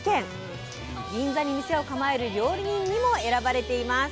銀座に店を構える料理人にも選ばれています。